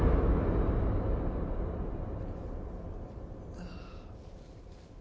ああ。